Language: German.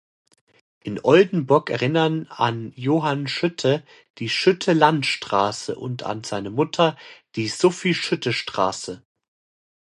In Oldenburg erinnern an Johann Schütte die Schütte-Lanz-Straße und an seine Mutter die Sophie-Schütte-Straße.